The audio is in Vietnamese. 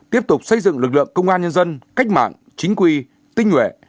tiếp tục xây dựng lực lượng công an nhân dân cách mạng chính quy tinh nguyện